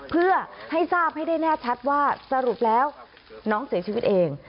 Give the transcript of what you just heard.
เพื่อให้ทราบให้ได้แน่ชัดว่าสรุปแล้วน้องเสียชีวิตเอง